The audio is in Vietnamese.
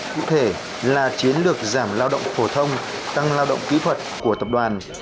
cụ thể là chiến lược giảm lao động phổ thông tăng lao động kỹ thuật của tập đoàn